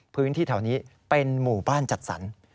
พื้นที่แถวนี้เป็นหมู่บ้านจัดสรร